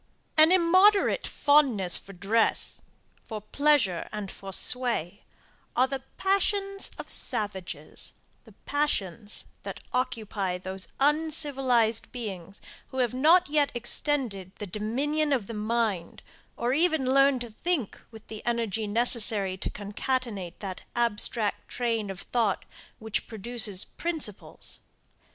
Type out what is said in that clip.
An immoderate fondness for dress, for pleasure and for sway, are the passions of savages; the passions that occupy those uncivilized beings who have not yet extended the dominion of the mind, or even learned to think with the energy necessary to concatenate that abstract train of thought which produces principles.